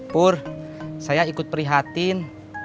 pur saya ikut perhatian